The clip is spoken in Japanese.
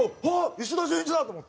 石田純一だ！と思って。